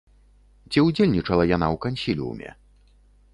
Ці ўдзельнічала яна ў кансіліуме?